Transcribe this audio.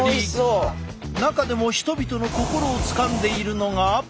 中でも人々の心をつかんでいるのが。